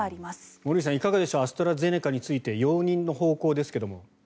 森内さん、いかがでしょうアストラゼネカについて容認の方向ですけれども。